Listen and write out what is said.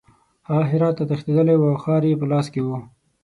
هغه هرات ته تښتېدلی وو او ښار یې په لاس کې وو.